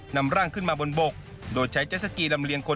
นำร่างขึ้นมาบนบกโดยใช้เจสสกีลำเลียงคน